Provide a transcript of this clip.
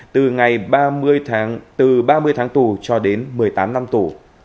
từ ba mươi tháng tù cho đến một mươi tám năm tù